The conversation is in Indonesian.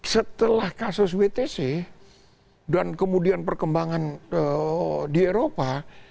setelah kasus wtc dan kemudian perkembangan di eropa